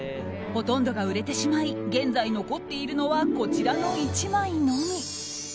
ほとんどが売れてしまい現在残っているのはこちらの１枚のみ。